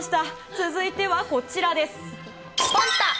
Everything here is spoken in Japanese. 続いてはこちらです。